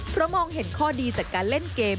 เพราะมองเห็นข้อดีจากการเล่นเกม